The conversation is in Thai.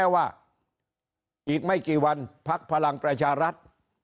ว่าอีกไม่กี่วันพักพลังประชารัฐ